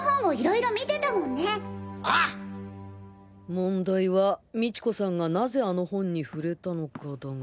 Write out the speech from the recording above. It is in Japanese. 問題は美知子さんが何故あの本に触れたのかだが